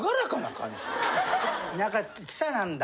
田舎汽車なんだ。